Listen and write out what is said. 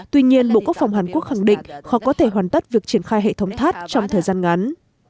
tuy nhiên bộ quốc phòng hàn quốc khẳng định khó có thể hoàn tất việc triển khai hệ thống tháp trong thời gian ngắn